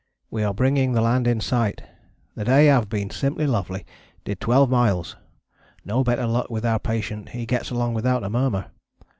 We are bringing the land in sight. The day have been simply lovely, did 12 miles. No better luck with our patient, he gets along without a murmur.